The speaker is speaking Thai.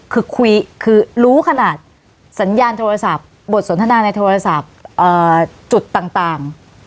คือคุยคือรู้ขนาดสัญญาณโทรศัพท์บทสนทนาในโทรศัพท์จุดต่าง